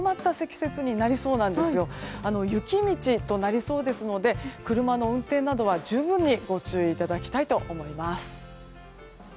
雪道となりそうですので車の運転などは十分にご注意いただきたいと思います。